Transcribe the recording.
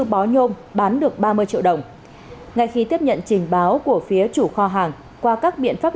hai mươi bốn bó nhôm bán được ba mươi triệu đồng ngay khi tiếp nhận trình báo của phía chủ kho hàng qua các biện pháp